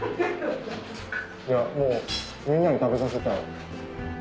いやもうみんなに食べさせたい。